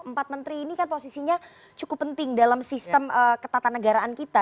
empat menteri ini kan posisinya cukup penting dalam sistem ketatanegaraan kita